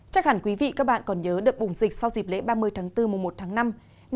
chắc hẳn quý vị các bạn còn nhớ đợt bùng dịch sau dịp lễ ba mươi tháng bốn mùa một tháng năm năm hai nghìn hai mươi